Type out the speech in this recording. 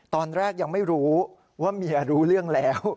ตอนแรกยังไม่รู้ว่าเมียรู้เรื่องแล้ว